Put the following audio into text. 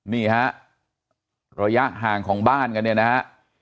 นี่ฮะระยะห่างของบ้านกันเนี่ยนะฮะ